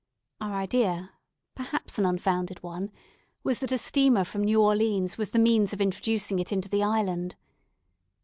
Our idea perhaps an unfounded one was, that a steamer from New Orleans was the means of introducing it into the island.